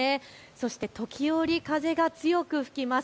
そして時折、風が強く吹きます。